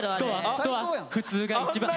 あとは普通が一番。